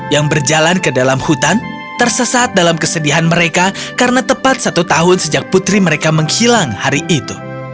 yang berjalan ke dalam hutan tersesat dalam kesedihan mereka karena tepat satu tahun sejak putri mereka menghilang hari itu